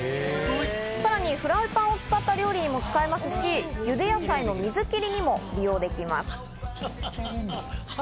さらにフライパンを使った料理にも使えますし、ゆで野菜の水切りにも利用できます。